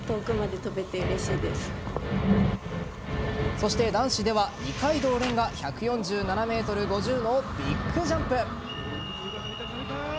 そして男子では二階堂蓮が１４７ｍ５０のビッグジャンプ。